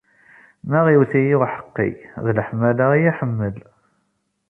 Ma iwt-iyi uḥeqqi, d leḥmala i iyi-iḥemmel.